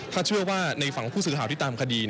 ถ้าเชื่อว่าในฝั่งผู้สื่อข่าวที่ตามคดี